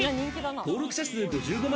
登録者数５５万